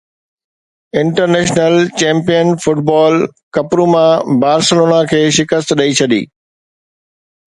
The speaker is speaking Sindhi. انٽرنيشنل چيمپيئن فٽبال ڪپروما بارسلونا کي شڪست ڏئي ڇڏي